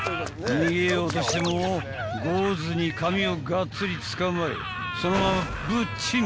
［逃げようとしても牛頭に髪をがっつりつかまれそのままブッチン］